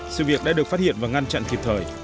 sự việc đã được phát hiện và ngăn chặn kịp thời